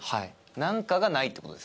何かがないってこと。